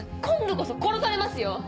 今度こそ殺されますよ